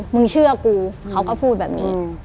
มึงเชื่อกูเขาก็พูดแบบนี้